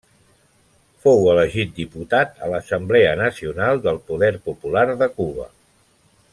Fou elegit diputat a l'Assemblea Nacional del Poder Popular de Cuba.